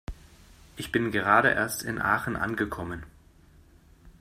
Ich bin gerade erst in Aachen angekommen